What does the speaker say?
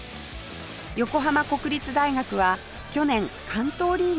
横浜国立大学は去年関東リーグで初優勝